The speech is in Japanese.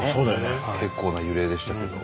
結構な揺れでしたけど。